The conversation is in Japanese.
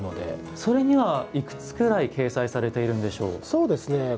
それにはいくつくらい掲載されているんでしょう？